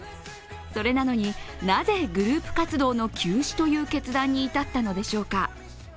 それなのに、なぜグループ活動の休止という決断に至ったのでしょうか。